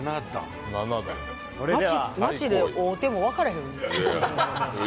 街で会うても分からんな。